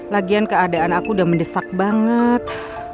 lagian keadaan aku udah mendesak banget